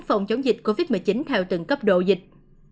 phòng chống dịch covid một mươi chín theo từng cấp độ dịch